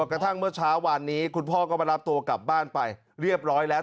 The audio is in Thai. กระทั่งเมื่อเช้าวานนี้คุณพ่อก็มารับตัวกลับบ้านไปเรียบร้อยแล้ว